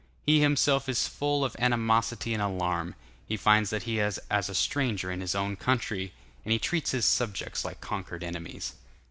He himself is full of animosity and alarm; he finds that he is as a stranger in his own country, and he treats his subjects like conquered enemies.